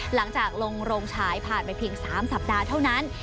หลังจากลงโรงฉายผ่านไปเพียง๓สัปดาห์เท่านั้น